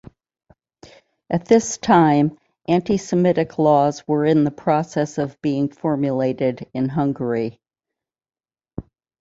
At this time, anti-semitic laws were in the process of being formulated in Hungary.